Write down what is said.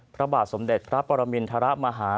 พระบาทสมเด็จพระปรมินทรมาฮา